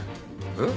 えっ？